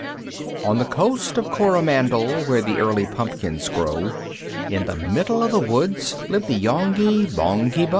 I. On the Coast of Coromandel, Where the early pumpkins grow, In the middle of the woods Lived the Yonghy Bonghy Bò.